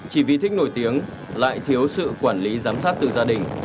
chỉ vì thích nổi tiếng lại thiếu sự quản lý giám sát từ gia đình